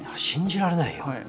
信じられないよ。